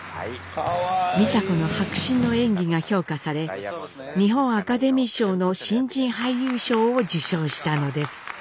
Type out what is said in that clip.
美佐子の迫真の演技が評価され日本アカデミー賞の新人俳優賞を受賞したのです。